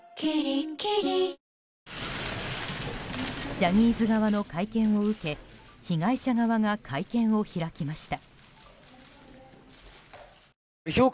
ジャニーズ側の会見を受け被害者側が会見を開きました。